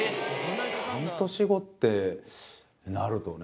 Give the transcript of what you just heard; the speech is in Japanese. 半年後ってなるとね。